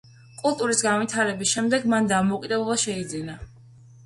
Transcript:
კულტის განვითარების შემდეგ მან დამოუკიდებლობა შეიძინა.